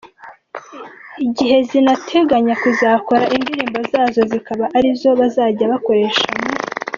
gihe zinateganya kuzakora indirimbo zazo zikaba ari zo bazajya bakoresha mu.